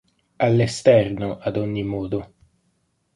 All'esterno, ad ogni modo.